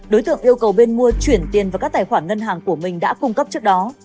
đối tượng yêu cầu bên mua chuyển tiền vào các tài khoản ngân hàng của mình đã cung cấp trước đó